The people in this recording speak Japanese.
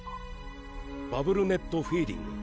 バブルネットフィーディング。